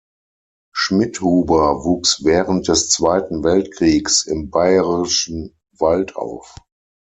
Schmidhuber wuchs während des Zweiten Weltkriegs im Bayerischen Wald auf.